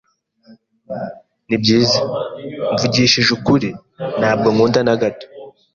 Nibyiza, mvugishije ukuri, ntabwo nkunda na gato.